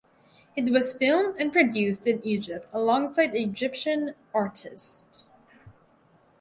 It was filmed and produced in Egypt alongside Egyptian artists.